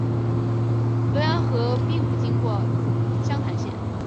浏阳河并不经过湘潭县。